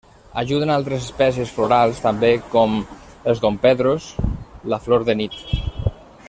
Ajuden altres espècies florals també, com els dompedros, la flor de nit.